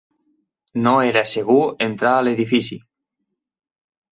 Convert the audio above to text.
No era segur entrar a l'edifici.